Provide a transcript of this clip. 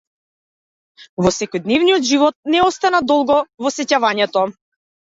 Во секојдневниот живот не остана долго во сеќавањето.